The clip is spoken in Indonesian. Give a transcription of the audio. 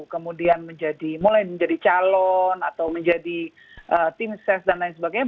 kemudian mulai menjadi calon atau menjadi tim ses dan lain sebagainya